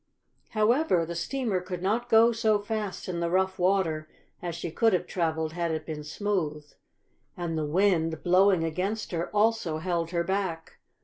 However, the steamer could not go so fast in the rough water as she could have traveled had it been smooth, and the wind, blowing against her, also held her back.